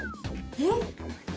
えっ？